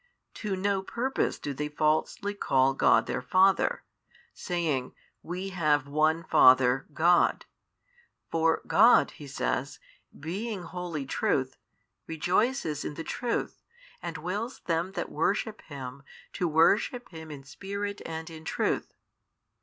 To no purpose do they falsely call God their Father, saying, We have One Father, God. For God (He says) being wholly Truth, rejoices in the truth and wills them that worship Him, to worship Him in Spirit and in truth.